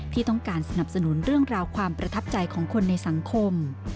ที่ต้องการสนับสนุนเรื่องราวความประทับใจของคนในสังคม